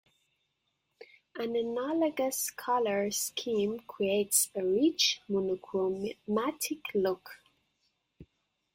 An analogous color scheme creates a rich, monochromatic look.